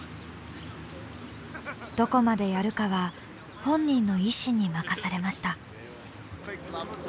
どこまでやるかは本人の意思に任されました。